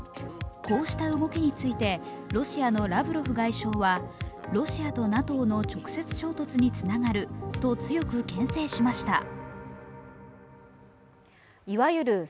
こうした動きについてロシアのラブロフ外相はロシアとＮＡＴＯの直接衝突につながると強くけん制しました。